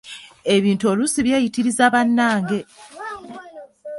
Ebintu oluusi byeyitiriza bannange!